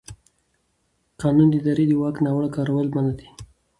قانون د ادارې د واک ناوړه کارول منع کوي.